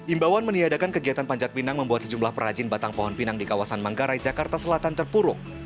imbauan meniadakan kegiatan panjat pinang membuat sejumlah perajin batang pohon pinang di kawasan manggarai jakarta selatan terpuruk